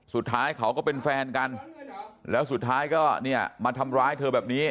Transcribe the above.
สุดท้ายเขาก็เป็นแฟนกันแล้วสุดท้ายก็เนี่ยมาทำร้ายเธอแบบนี้